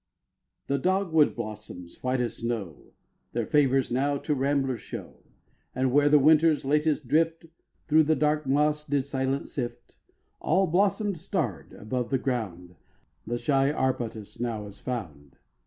The dogwood blossoms white as snow Their favors now to rambler show, And where the Winter's latest drift Through the dark moss did silent sift, All blossomed starred, above the ground The shy arbutus now is found.